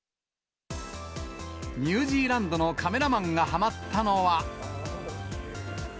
ニュージーランドのカメラマンがはまったのは。